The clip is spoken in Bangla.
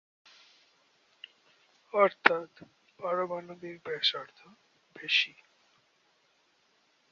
অর্থাৎ, পারমাণবিক ব্যাসার্ধ বেশি।